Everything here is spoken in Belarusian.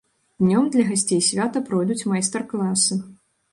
Днём для гасцей свята пройдуць майстар-класы.